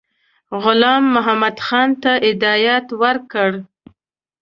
غلام محمدخان ته هدایت ورکړ.